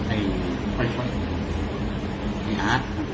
ไอไฟช่อย